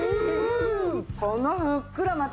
このふっくらまた。